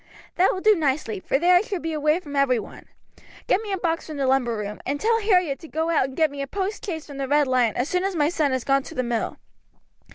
That will do nicely, for there I should be away from every one. Get me a box from the lumber room, and tell Harriet to go out and get me a post chaise from the Red Lion as soon as my son has gone to the mill."